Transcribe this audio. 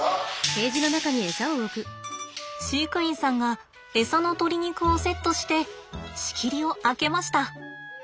飼育員さんが餌の鶏肉をセットして仕切りを開けました。